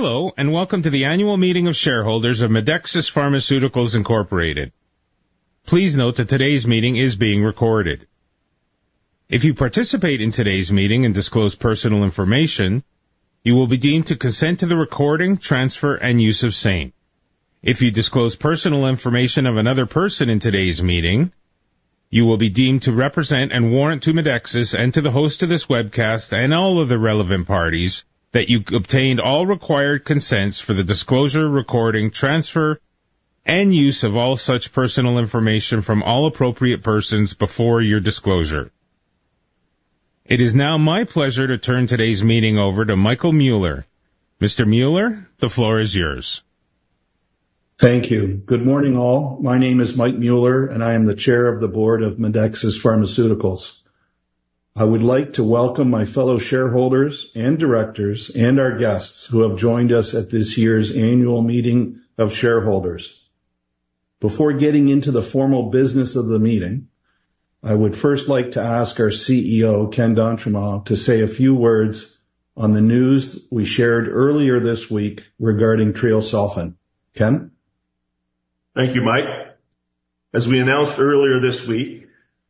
Hello, and welcome to the annual meeting of shareholders of Medexus Pharmaceuticals Incorporated. Please note that today's meeting is being recorded. If you participate in today's meeting and disclose personal information, you will be deemed to consent to the recording, transfer, and use of same. If you disclose personal information of another person in today's meeting, you will be deemed to represent and warrant to Medexus and to the host of this webcast and all other relevant parties that you've obtained all required consents for the disclosure, recording, transfer, and use of all such personal information from all appropriate persons before your disclosure. It is now my pleasure to turn today's meeting over to Michael Mueller. Mr. Mueller, the floor is yours. Thank you. Good morning, all. My name is Mike Mueller, and I am the Chair of the Board of Medexus Pharmaceuticals. I would like to welcome my fellow shareholders and directors, and our guests who have joined us at this year's annual meeting of shareholders. Before getting into the formal business of the meeting, I would first like to ask our CEO, Ken d'Entremont to say a few words on the news we shared earlier this week regarding Treosulfan. Ken? Thank you, Mike. As we announced earlier this week,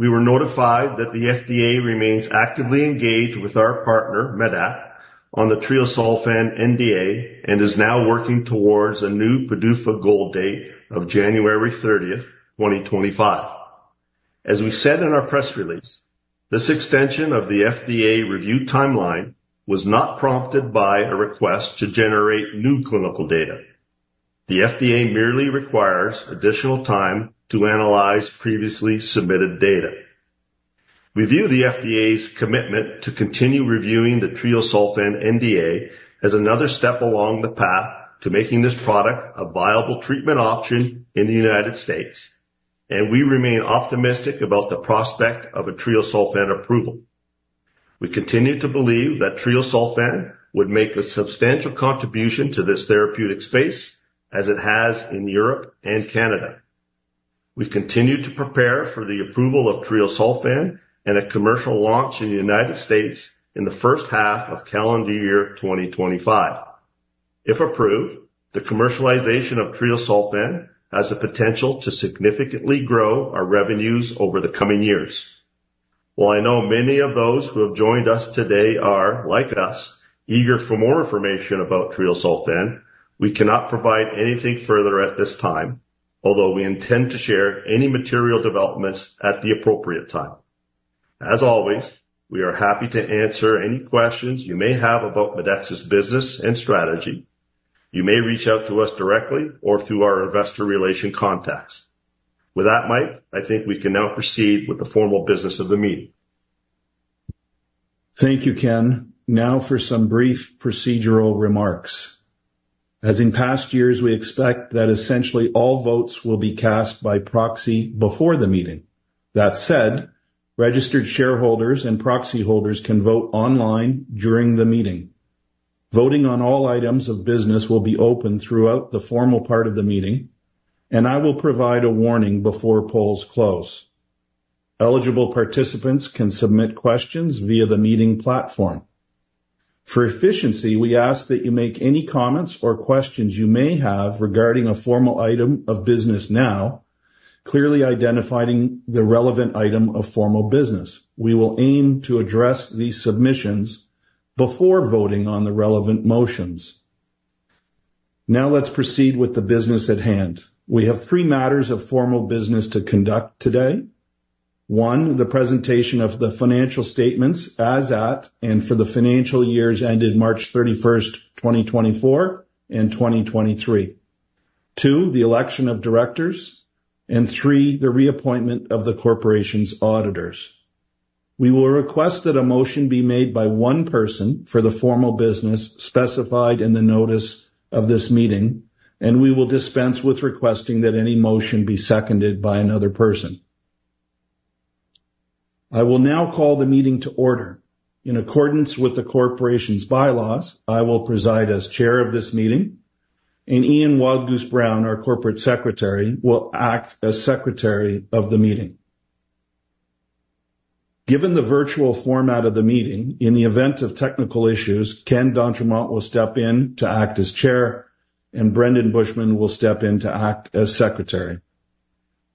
we were notified that the FDA remains actively engaged with our partner, Medac, on the Treosulfan NDA and is now working towards a new PDUFA goal date of January 30th, 2025. As we said in our press release, this extension of the FDA review timeline was not prompted by a request to generate new clinical data. The FDA merely requires additional time to analyze previously submitted data. We view the FDA's commitment to continue reviewing the Treosulfan NDA as another step along the path to making this product a viable treatment option in the United States, and we remain optimistic about the prospect of a Treosulfan approval. We continue to believe that Treosulfan would make a substantial contribution to this therapeutic space as it has in Europe and Canada. We continue to prepare for the approval of Treosulfan and a commercial launch in the United States in the first half of calendar year 2025. If approved, the commercialization of Treosulfan has the potential to significantly grow our revenues over the coming years. While I know many of those who have joined us today are, like us, eager for more information about Treosulfan, we cannot provide anything further at this time, although we intend to share any material developments at the appropriate time. As always, we are happy to answer any questions you may have about Medexus business and strategy. You may reach out to us directly or through our investor relations contacts. With that, Mike, I think we can now proceed with the formal business of the meeting. Thank you, Ken. Now for some brief procedural remarks. As in past years, we expect that essentially all votes will be cast by proxy before the meeting. That said, registered shareholders and proxy holders can vote online during the meeting. Voting on all items of business will be open throughout the formal part of the meeting, and I will provide a warning before polls close. Eligible participants can submit questions via the meeting platform. For efficiency, we ask that you make any comments or questions you may have regarding a formal item of business now, clearly identifying the relevant item of formal business. We will aim to address these submissions before voting on the relevant motions. Now let's proceed with the business at hand. We have 3 matters of formal business to conduct today. 1, the presentation of the financial statements as at, and for the financial years ended March 31st, 2024 and 2023. 2, the election of directors. 3, the reappointment of the corporation's auditors. We will request that a motion be made by 1 person for the formal business specified in the notice of this meeting, and we will dispense with requesting that any motion be seconded by another person. I will now call the meeting to order. In accordance with the corporation's bylaws, I will preside as Chair of this meeting, and Ian Wildgoose-Brown, our Corporate Secretary, will act as Secretary of the meeting. Given the virtual format of the meeting, in the event of technical issues, Ken d'Entremont will step in to act as Chair and Brendon Buschman will step in to act as Secretary.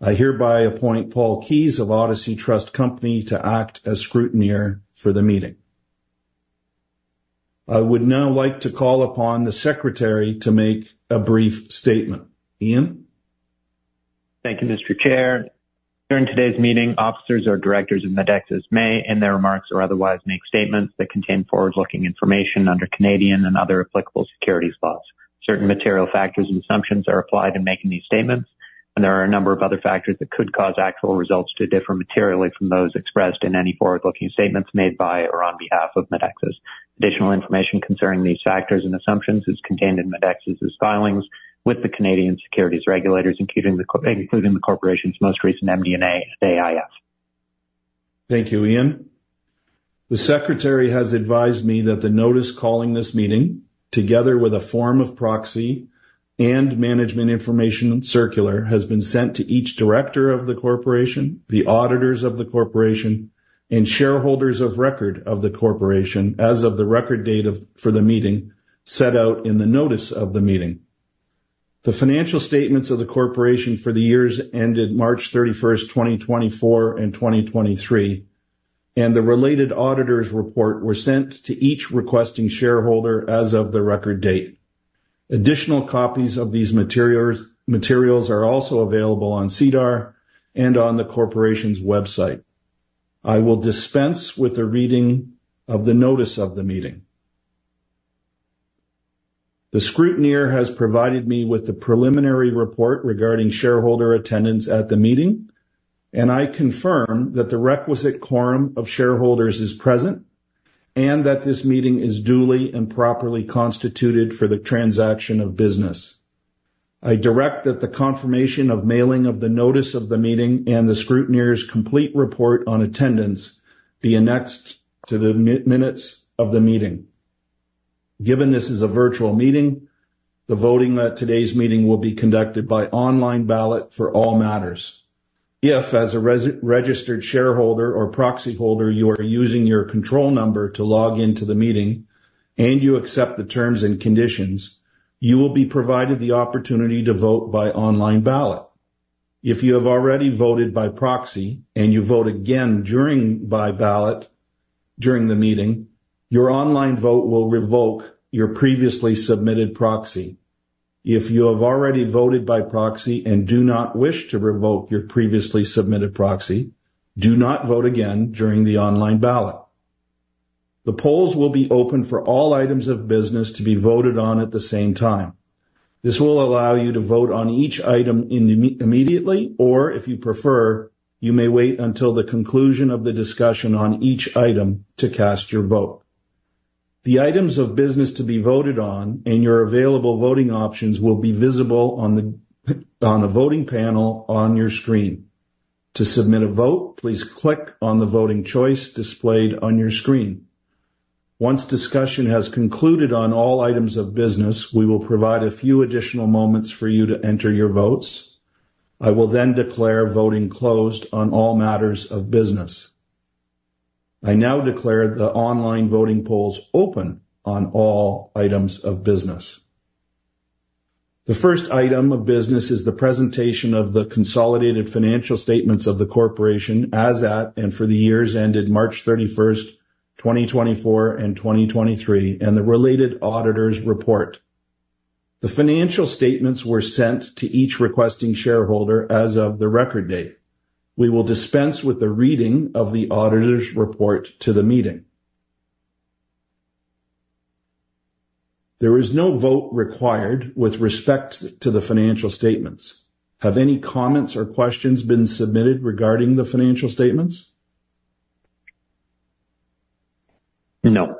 I hereby appoint Paul Keyes of Odyssey Trust Company to act as scrutineer for the meeting. I would now like to call upon the secretary to make a brief statement. Ian? Thank you, Mr. Chair. During today's meeting, officers or directors of Medexus may, in their remarks or otherwise, make statements that contain forward-looking information under Canadian and other applicable securities laws. Certain material factors and assumptions are applied in making these statements, and there are a number of other factors that could cause actual results to differ materially from those expressed in any forward-looking statements made by or on behalf of Medexus. Additional information concerning these factors and assumptions is contained in Medexus' filings with the Canadian securities regulators, including the corporation's most recent MD&A and AIF. Thank you, Ian. The secretary has advised me that the notice calling this meeting, together with a form of proxy and management information circular, has been sent to each director of the corporation, the auditors of the corporation and shareholders of record of the corporation as of the record date for the meeting set out in the notice of the meeting. The financial statements of the corporation for the years ended March 31st, 2024 and 2023, and the related auditor's report were sent to each requesting shareholder as of the record date. Additional copies of these materials are also available on SEDAR and on the corporation's website. I will dispense with the reading of the notice of the meeting. The scrutineer has provided me with the preliminary report regarding shareholder attendance at the meeting, and I confirm that the requisite quorum of shareholders is present and that this meeting is duly and properly constituted for the transaction of business. I direct that the confirmation of mailing of the notice of the meeting and the scrutineers' complete report on attendance be annexed to the minutes of the meeting. Given this is a virtual meeting, the voting at today's meeting will be conducted by online ballot for all matters. If, as a registered shareholder or proxy holder, you are using your control number to log into the meeting and you accept the terms and conditions, you will be provided the opportunity to vote by online ballot. If you have already voted by proxy and you vote again by ballot during the meeting, your online vote will revoke your previously submitted proxy. If you have already voted by proxy and do not wish to revoke your previously submitted proxy, do not vote again during the online ballot. The polls will be open for all items of business to be voted on at the same time. This will allow you to vote on each item immediately, or if you prefer, you may wait until the conclusion of the discussion on each item to cast your vote. The items of business to be voted on and your available voting options will be visible on the voting panel on your screen. To submit a vote, please click on the voting choice displayed on your screen. Once discussion has concluded on all items of business, we will provide a few additional moments for you to enter your votes. I will then declare voting closed on all matters of business. I now declare the online voting polls open on all items of business. The first item of business is the presentation of the consolidated financial statements of the corporation as at, and for the years ended March 31st, 2024 and 2023, and the related auditor's report. The financial statements were sent to each requesting shareholder as of the record date. We will dispense with the reading of the auditor's report to the meeting. There is no vote required with respect to the financial statements. Have any comments or questions been submitted regarding the financial statements? No.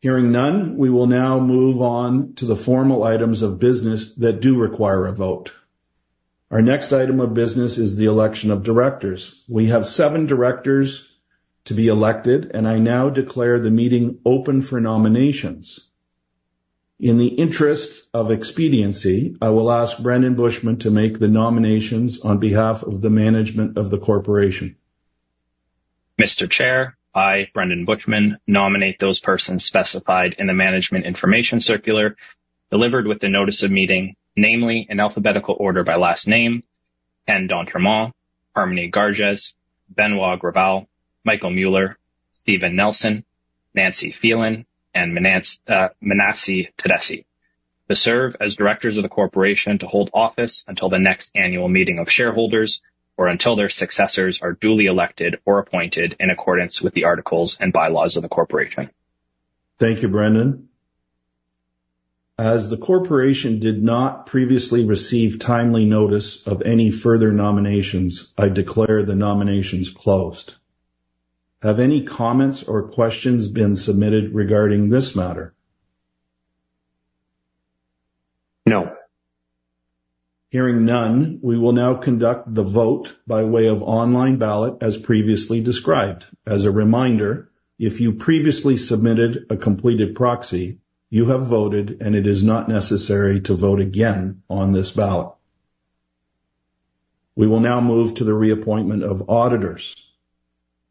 Hearing none, we will now move on to the formal items of business that do require a vote. Our next item of business is the election of directors. We have 7 directors to be elected and I now declare the meeting open for nominations. In the interest of expediency, I will ask Brendon Buschman to make the nominations on behalf of the management of the corporation. Mr. Chair, I, Brendon Buschman, nominate those persons specified in the management information circular delivered with the notice of meeting, namely in alphabetical order by last name, Ken d'Entremont, Harmony Garges, Benoit Gravel, Michael Mueller, Stephen Nelson, Nancy Phelan, and Menassie Taddese to serve as directors of the corporation to hold office until the next annual meeting of shareholders, or until their successors are duly elected or appointed in accordance with the articles and bylaws of the corporation. Thank you, Brendon. As the corporation did not previously receive timely notice of any further nominations, I declare the nominations closed. Have any comments or questions been submitted regarding this matter? No. Hearing none, we will now conduct the vote by way of online ballot as previously described. As a reminder, if you previously submitted a completed proxy, you have voted and it is not necessary to vote again on this ballot. We will now move to the reappointment of auditors.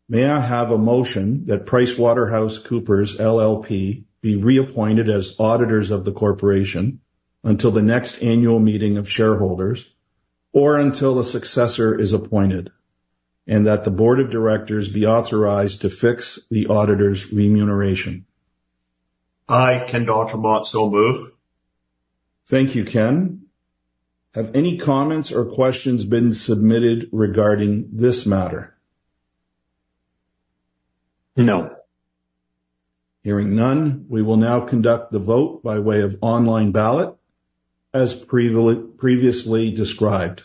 May I have a motion that PricewaterhouseCoopers LLP be reappointed as auditors of the corporation until the next annual meeting of shareholders, or until a successor is appointed, and that the board of directors be authorized to fix the auditors' remuneration? I, Ken d'Entremont, so move. Thank you, Ken. Have any comments or questions been submitted regarding this matter? No. Hearing none, we will now conduct the vote by way of online ballot as previously described.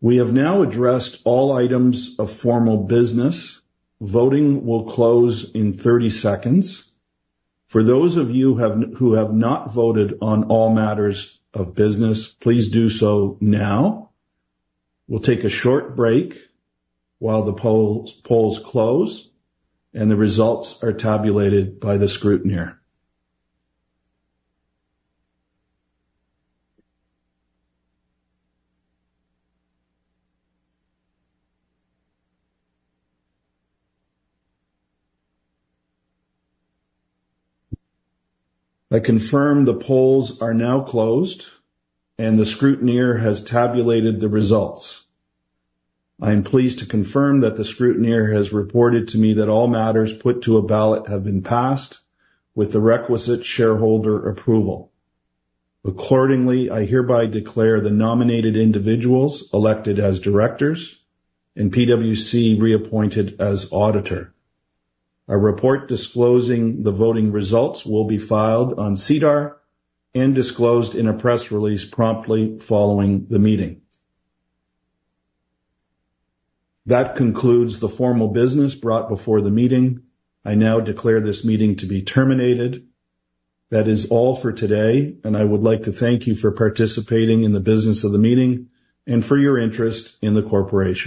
We have now addressed all items of formal business, voting will close in 30 seconds. For those of you who have not voted on all matters of business, please do so now. We'll take a short break while the polls close and the results are tabulated by the scrutineer. I confirm the polls are now closed and the scrutineer has tabulated the results. I am pleased to confirm that the scrutineer has reported to me that all matters put to a ballot have been passed with the requisite shareholder approval. Accordingly, I hereby declare the nominated individuals elected as directors and PwC reappointed as auditor. A report disclosing the voting results will be filed on SEDAR and disclosed in a press release promptly following the meeting. That concludes the formal business brought before the meeting. I now declare this meeting to be terminated. That is all for today, and I would like to thank you for participating in the business of the meeting and for your interest in the corporation.